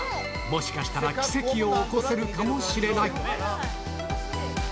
もしかしたら奇跡を起こせるかもしれない。